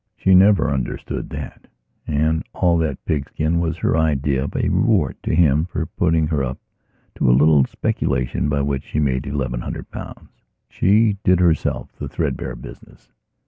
She never understood that, and all that pigskin was her idea of a reward to him for putting her up to a little speculation by which she made eleven hundred pounds. She did, herself, the threadbare business.